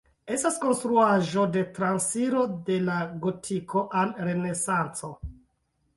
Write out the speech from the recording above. Estas konstruaĵo de transiro de la Gotiko al Renesanco.